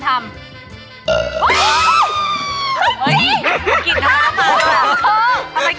ทำไมกินเข้ามาด้วยอะ